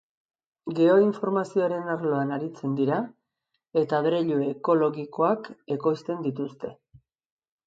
Geoinformazioaren arloan aritzen dira eta adreilu ekologikoak ekoizten dituzte.